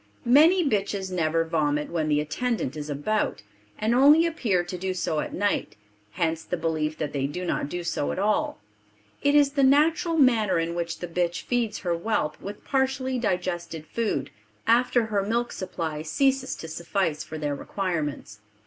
Many bitches never vomit when the attendant is about, and only appear to do so at night; hence the belief that they do not do so at all. It is the natural manner in which the bitch feeds her whelp with partially digested food, after her milk supply ceases to suffice for their requirements.